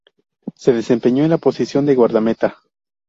Se desempeñó en la posición de guardameta.